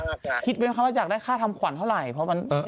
มีเขาบอกว่าคิดเป็นคำว่าอยากได้ค่าทำขวัญเท่าไหร่